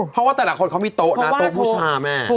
เพราะว่าแต่ละคนเขามีโต๊ะนะโต๊ะผู้ชายแม่